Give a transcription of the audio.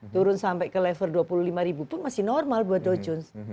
turun sampai ke level dua puluh lima ribu pun masih normal buat do jones